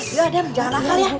aduh adam jangan lakar ya